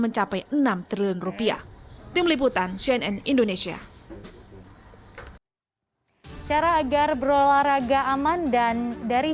mencapai enam triliun rupiah tim liputan cnn indonesia cara agar berolahraga aman dan dari